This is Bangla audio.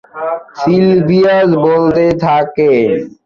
সিলভিয়াস বলতে থাকেন।